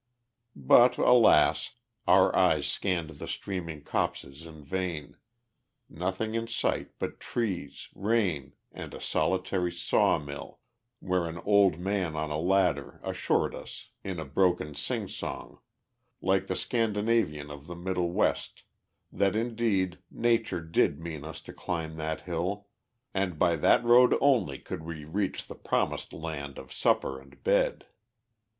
But, alas! our eyes scanned the streaming copses in vain nothing in sight but trees, rain and a solitary saw mill, where an old man on a ladder assured us in a broken singsong, like the Scandinavian of the Middle West, that indeed Nature did mean us to climb that hill, and that by that road only could we reach the Promised Land of supper and bed.